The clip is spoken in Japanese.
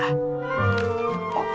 あっ！